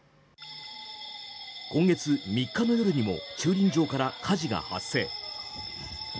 今月３日の夜にも駐輪場から火事が発生。